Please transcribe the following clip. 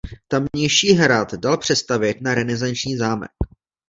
Tamější hrad dal přestavět na renesanční zámek.